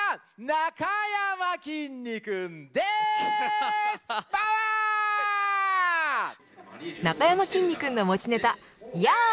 なかやまきんに君の持ちネタヤー！